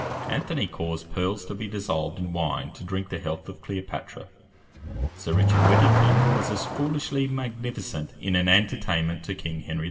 Anthony caused pearls to be dissolved in wine to drink the health of Cleopatra; Sir Richard Whittington was as foolishly magnificent in an entertainment to King Henry V.